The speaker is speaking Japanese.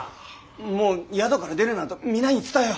もう宿から出るなと皆に伝えよ。